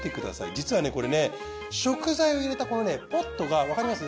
実はこれ食材を入れたこのねポットがわかります？